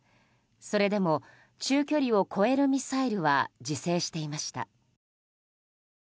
それでも中距離を超えるミサイルは自制していました。